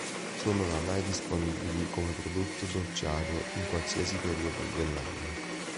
Sono ormai disponibili come prodotto dolciario in qualsiasi periodo dell'anno.